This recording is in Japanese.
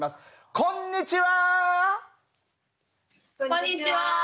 こんにちは！